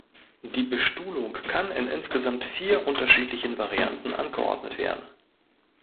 Die Bestuhlung kann in insgesamt vier unterschiedlichen Varianten angeordnet werden.